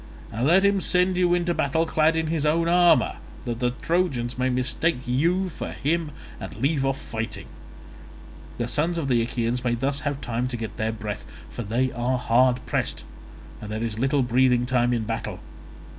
And let him send you into battle clad in his own armour, that the Trojans may mistake you for him and leave off fighting; the sons of the Achaeans may thus have time to get their breath, for they are hard pressed and there is little breathing time in battle.